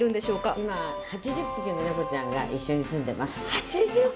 今、８０匹の猫ちゃんが一緒に住んでます。